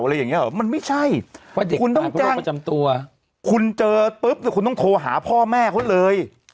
อะไรอย่างเงี้ยหรอมันไม่ใช่คุณต้องจ้างคุณต้องโทรหาพ่อแม่เขาเลย